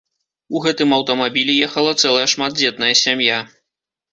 У гэтым аўтамабілі ехала цэлая шматдзетная сям'я.